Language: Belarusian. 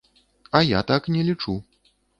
А я так не лічу.